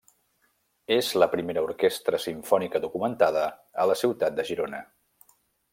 És la primera orquestra simfònica documentada a la ciutat de Girona.